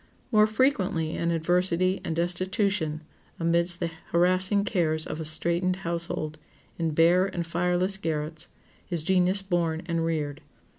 More frequently in adversity and destitution, amidst the harassing cares of a straitened household, in bare and fireless garrets, is genius born and reared.